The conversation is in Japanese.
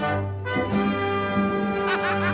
ハハハハ！